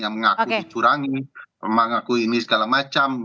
yang mengaku dicurangi mengaku ini segala macam